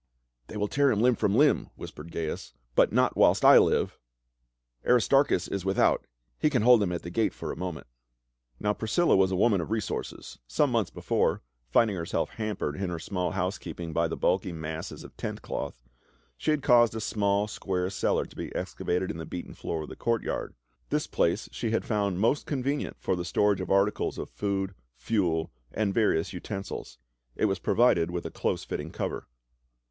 They will tear him limb from limb," whispered Gains, "but not whilst I live I — Aristarchus is with out, he can hold them at the gate for a moment." taui—T. "THE PLACE WAS FILLED IN A TWINKLING." "GREAT DIANA OF THE EPHESIANS!" 371 Now Priscilla was a woman of resources ; some months before, finding herself hampered in her small house keeping by the bulky masses of tent cloth, she had caused a small square cellar to be excavated in the beaten floor of the courtyard, this place she had found most convenient for the storage of articles of food, fuel, and various utensils. It was provided with a close fitting cover.